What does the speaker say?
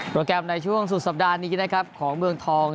โปรแกรมในช่วงสุดสัปดาห์นี้ของเมืองทอง